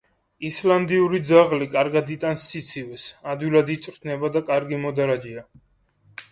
ისლანდიური ძაღლი კარგად იტანს სიცივეს, ადვილად იწვრთნება და კარგი მოდარაჯეა.